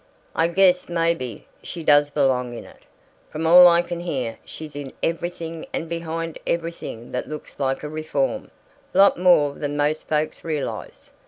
"I guess maybe she does belong in it. From all I can hear she's in everything and behind everything that looks like a reform lot more than most folks realize.